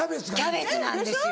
キャベツなんですよ！